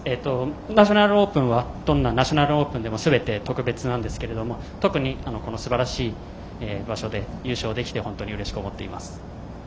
ナショナルオープンはどんなナショナルオープンでもすべて特別なんですけど特に、このすばらしい場所で優勝できて本当にうれしく思っています。